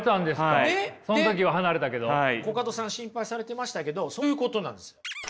コカドさん心配されてましたけどそういうことなんですよ。